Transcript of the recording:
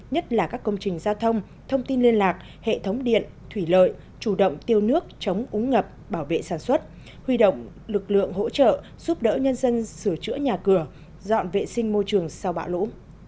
nhất là các công trình giao thông thông tin liên lạc hệ thống điện thủy lợi chủ động tiêu nước chống úng ngập bảo vệ sản xuất huy động lực lượng hỗ trợ giúp đỡ nhân dân sửa chữa nhà cửa dọn vệ sinh môi trường sau bão lũ